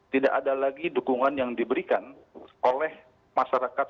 tidak ada lagi dukungan yang diberikan oleh masyarakat